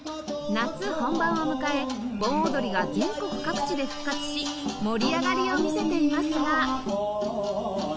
夏本番を迎え盆踊りが全国各地で復活し盛り上がりを見せていますが